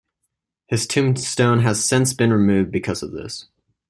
His tombstone has since been removed because of this.